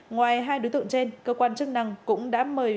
ngoài hai đối tượng trên cơ quan chức năng cũng đã mời